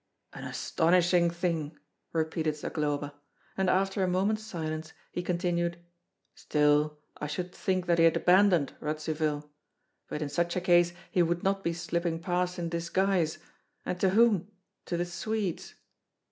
"An astonishing thing!" repeated Zagloba; and after a moment's silence he continued: "Still I should think that he had abandoned Radzivill. But in such a case he would not be slipping past in disguise, and to whom, to the Swedes."